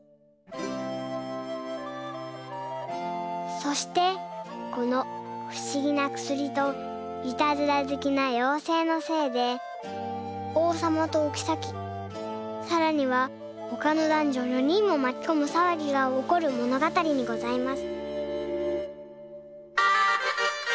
そしてこのふしぎなくすりといたずらずきなようせいのせいでおうさまとおきさきさらにはほかのだんじょ４にんもまきこむさわぎがおこるものがたりにございます。